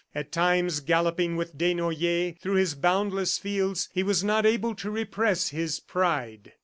At times, galloping with Desnoyers through his boundless fields, he was not able to repress his pride.